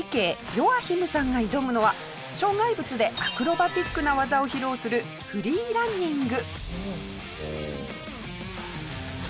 ヨアヒムさんが挑むのは障害物でアクロバティックな技を披露するフリーランニング。